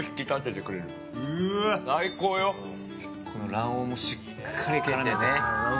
卵黄もしっかり絡めてね。